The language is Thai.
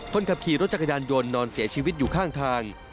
คนขับขี่รถจักรยานยนต์นอนเสียชีวิตอยู่ข้างทาง